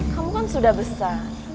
kamu kan sudah besar